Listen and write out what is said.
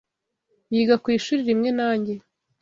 Yiga ku ishuri rimwe nanjye.